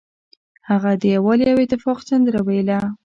هغه د یووالي او اتفاق سندره ویله.